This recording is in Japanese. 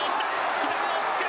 左のおっつけ。